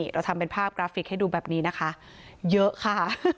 เราทำเป็นภาพกราฟิกให้ดูแบบนี้นะคะเยอะค่ะ